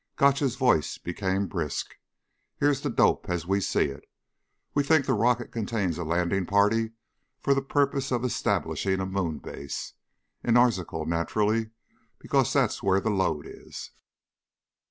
Gotch's voice became brisk. "Here's the dope as we see it. We think the rocket contains a landing party for the purpose of establishing a moon base. In Arzachel, naturally, because that's where the lode is."